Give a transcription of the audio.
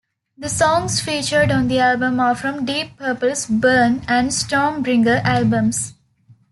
The songs featured on the album are from Deep Purple's "Burn" and "Stormbringer" albums.